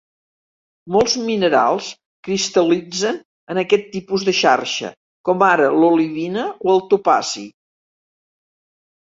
Molts minerals cristal·litzen en aquest tipus de xarxa, com ara l'olivina o el topazi.